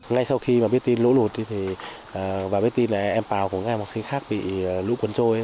ngay sau khi biết tin lũ lụt và biết tin là em pào của các em học sinh khác bị lũ quấn trôi